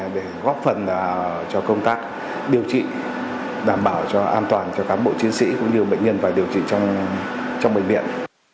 để góp phần cho công tác điều trị đảm bảo cho an toàn cho cán bộ chiến sĩ cũng như bệnh nhân phải điều trị trong bệnh viện